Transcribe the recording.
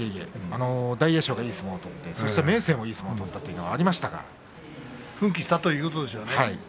大栄翔がいい相撲を取ってそして明生がいい相撲を取った奮起したということでしょうね。